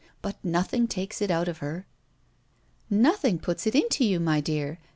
But nothing takes it out of her." "Nothing puts it into you, my dear!"